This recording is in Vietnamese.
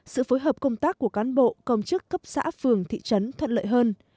sự phối hợp công tác của cán bộ công chức cấp xã phường thị trấn thuận lợi hơn